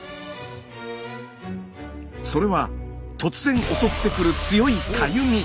それは突然襲ってくる強いかゆみ。